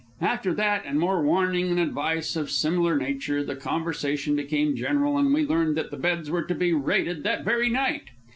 After that and more warning and advice of similar nature, the conversation became general, and we learned that the beds were to be raided that very night.